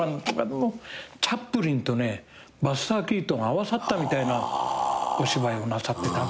チャップリンとねバスター・キートンが合わさったみたいなお芝居をなさってたんですね。